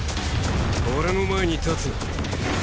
俺の前に立つな。